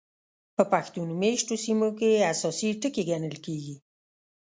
په پښتون مېشتو سیمو کې اساسي ټکي ګڼل کېږي.